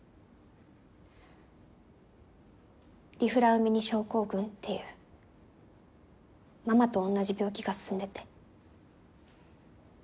リ・フラウメニ症候群っていうママと同じ病気が進んでて。